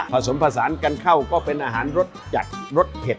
ผสมผสานกันเข้าก็เป็นอาหารรสจัดรสเผ็ด